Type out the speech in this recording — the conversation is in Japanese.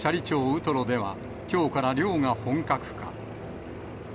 ウトロでは、きょうから漁が本格化。